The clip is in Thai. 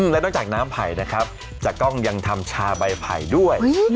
และนอกจากน้ำไผ่นะครับจากกล้องยังทำชาใบไผ่ด้วย